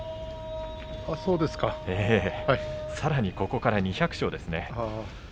さらにここから２００勝ですね。